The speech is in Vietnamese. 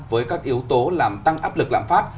với các yếu tố làm tăng áp lực lạm phát